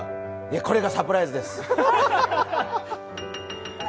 これがサプライズです。